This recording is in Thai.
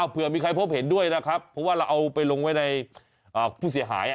เพื่อมีใครพบเห็นด้วยนะครับเพราะว่าเราเอาไปลงไว้ในผู้เสียหาย